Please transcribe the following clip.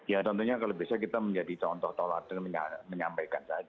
ya tentunya kalau bisa kita menjadi contoh tolak dengan menyampaikan saja